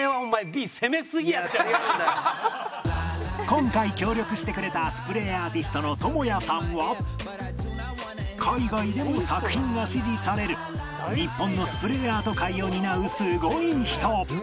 今回協力してくれたスプレーアーティストの ＴＯＭＯＹＡ さんは海外でも作品が支持される日本のスプレーアート界を担うすごい人